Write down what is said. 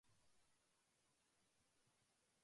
あおかさたなはさかえなかきあなかいたかあ